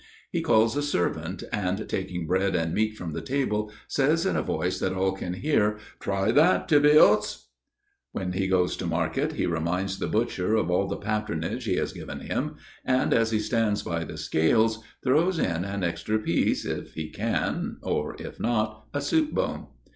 He calls a servant, and, taking bread and meat from the table, says in a voice that all can hear: "Try that, Tibios!" When he goes to market, he reminds the butcher of all the patronage he has given him, and as he stands by the scales, throws in an extra piece, if he can, or if not, a soup bone.